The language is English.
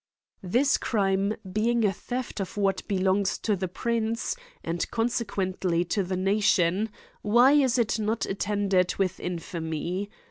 This crime being a theft of what belongs to the prince, and consequently to the nation, why is it not attended with infamy